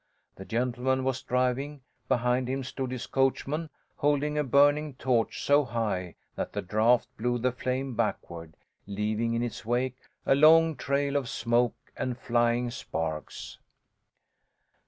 The gentleman was driving; behind him stood his coachman, holding a burning torch so high that the draft blew the flame backward, leaving in its wake a long trail of smoke and flying sparks.